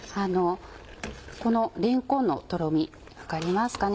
このれんこんのとろみ分かりますかね？